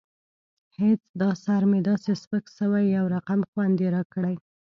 هېڅ دا سر مې داسې سپک سوى يو رقم خوند يې راکړى.